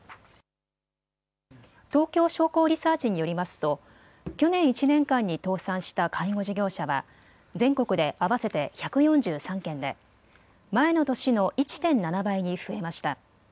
東京商工リサーチによりますと去年１年間に倒産した介護事業者は全国で合わせて１４３件で前の年の１．７倍に増えました。